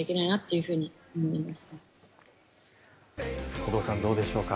有働さん、どうでしょうか？